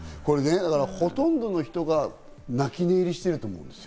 ほとんどの人が泣き寝入りしてると思う。